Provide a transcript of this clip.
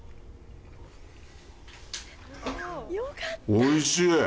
おいしい！